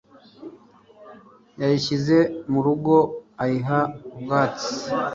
yayishyize mu rugo ayiha ubwatsi.